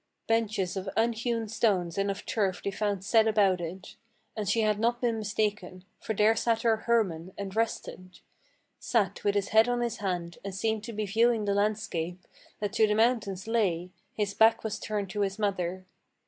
Benches of unhewn stones and of turf they found set about it. And she had not been mistaken, for there sat her Hermann, and rested, Sat with his head on his hand, and seemed to be viewing the landscape That to the mountains lay: his back was turned to his mother.